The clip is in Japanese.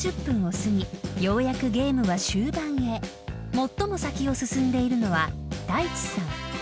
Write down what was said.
［最も先を進んでいるのは太一さん］